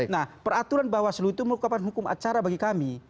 nah peraturan bawaslu itu merupakan hukum acara bagi kami